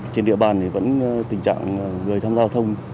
trên địa bàn vẫn tình trạng người tham gia giao thông